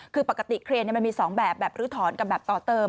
คือปกติเครนมันมี๒แบบแบบลื้อถอนกับแบบต่อเติม